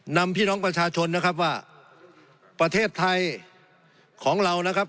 นำพี่น้องประชาชนนะครับว่าประเทศไทยของเรานะครับ